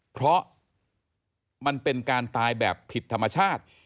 เพราะมันเป็นการตายแบบผิดธรรมชาติ